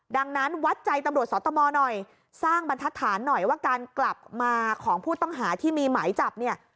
ดังนั้นวัดใจตำรวจสตมหน่อยสร้างบรรทัศน์หน่อยว่าการกลับมาของผู้ต้องหาที่มีหมายจับเนี่ย